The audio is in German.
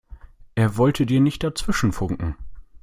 Er wollte dir nicht dazwischenfunken.